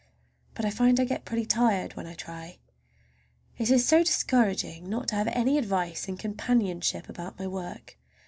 But I find I get pretty tired when I try. It is so discouraging not to have any advice and companionship about my work.